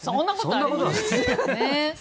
そんなことないです。